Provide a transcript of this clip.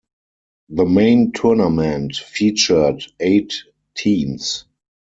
The main tournament featured eight teams.